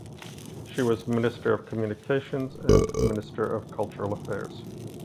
She was Minister of Communications and Minister of Cultural Affairs.